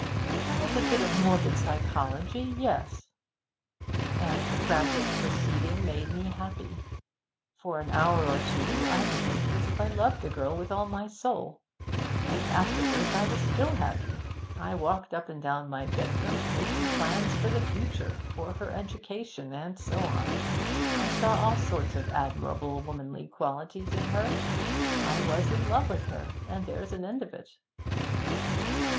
'As a bit of morbid psychology yes.' 'And the frantic proceeding made me happy! For an hour or two I behaved as if I loved the girl with all my soul. And afterwards I was still happy. I walked up and down my bedroom, making plans for the future for her education, and so on. I saw all sorts of admirable womanly qualities in her. I was in love with her, and there's an end of it!'